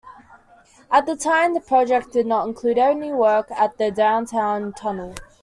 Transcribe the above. At the time, the project did not include any work at the Downtown Tunnel.